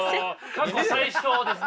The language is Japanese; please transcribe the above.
過去最少ですねこれは。